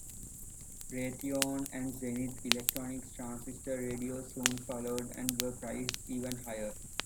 Raytheon and Zenith Electronics transistor radios soon followed and were priced even higher.